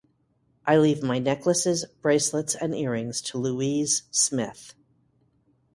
I leave my necklaces, bracelets, and earrings to Louise Smith.